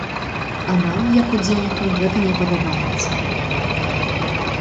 А нам, як удзельнікам, гэта не падабаецца.